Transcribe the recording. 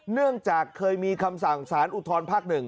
เนื่องจากเคยมีคำสั่งสารอุทธรภาค๑